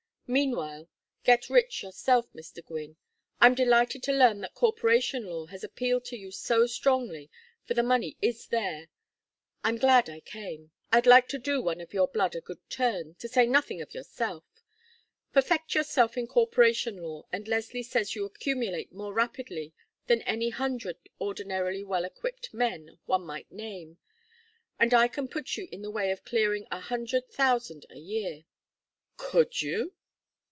Meanwhile, get rich yourself, Mr. Gwynne. I'm delighted to learn that corporation law has appealed to you so strongly, for the money is there. I'm glad I came. I'd like to do one of your blood a good turn, to say nothing of yourself. Perfect yourself in corporation law and Leslie says you accumulate more rapidly than any hundred ordinarily well equipped men one might name and I can put you in the way of clearing a hundred thousand a year." "Could you?"